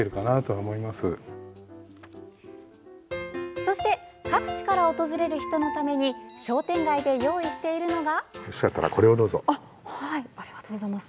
そして各地から訪れる人のために商店街で用意しているのが。